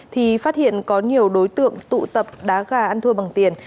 thì phát hiện có nhiều đối tượng tụ tập đá gà ăn thua bằng tiền